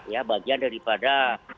ya bagian daripada